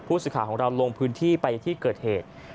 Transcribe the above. สื่อข่าวของเราลงพื้นที่ไปที่เกิดเหตุ